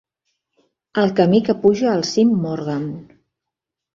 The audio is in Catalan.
El camí que puja al cim Morgan.